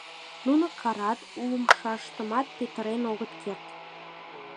Нуно карат, умшаштымат петырен огыт керт.